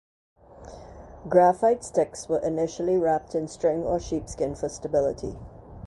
Graphite sticks were initially wrapped in string or sheepskin for stability.